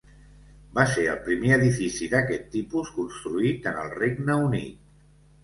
Va ser el primer edifici d'aquest tipus construït en el Regne Unit.